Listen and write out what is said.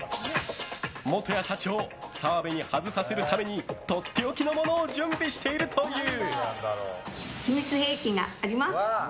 元谷社長、澤部に外させるためにとっておきのものを準備しているという。